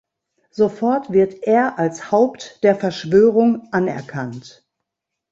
Sofort wird er als Haupt der Verschwörung anerkannt.